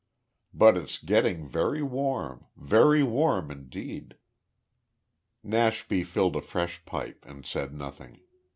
But it's getting very warm very warm indeed." Nashby filled a fresh pipe and said nothing.